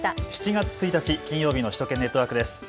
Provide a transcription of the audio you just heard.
７月１日金曜日の首都圏ネットワークです。